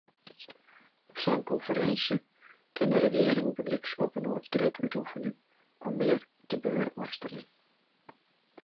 Op sa’n konferinsje kinne regearingen bygelyks opinoar druk útoefenje om mear te bewurkmasterjen.